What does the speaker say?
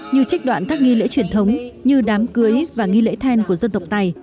như trích đoạn các nghi lễ truyền thống như đám cưới và nghi lễ then của dân tộc tài